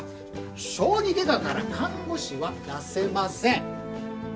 小児外科から看護師は出せません。